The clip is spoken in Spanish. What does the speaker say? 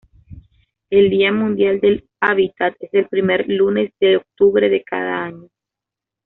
El Día Mundial del Hábitat es el primer lunes de octubre de cada año.